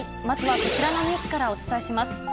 まずはこちらのニュースからお伝えします。